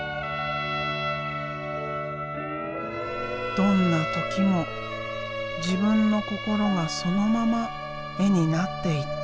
どんな時も自分の心がそのまま絵になっていった。